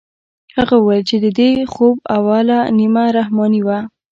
هغه وويل چې د دې خوب اوله نيمه رحماني ده.